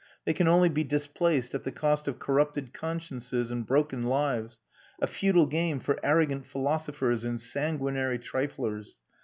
They can only be displaced at the cost of corrupted consciences and broken lives a futile game for arrogant philosophers and sanguinary triflers.